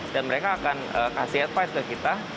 dan mereka akan kasih advice ke kita